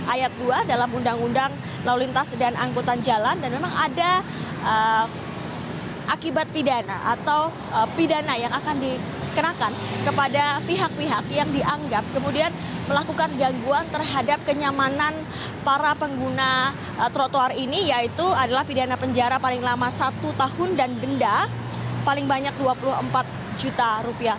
dua ratus tujuh puluh empat ayat dua dalam undang undang lalu lintas dan angkutan jalan dan memang ada akibat pidana atau pidana yang akan dikenakan kepada pihak pihak yang dianggap kemudian melakukan gangguan terhadap kenyamanan para pengguna trotoar ini yaitu adalah pidana penjara paling lama satu tahun dan benda paling banyak dua puluh empat juta rupiah